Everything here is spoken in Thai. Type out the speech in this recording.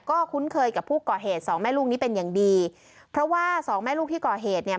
ก็คุ้นเคยกับผู้ก่อเหตุสองแม่ลูกนี้เป็นอย่างดีเพราะว่าสองแม่ลูกที่ก่อเหตุเนี่ย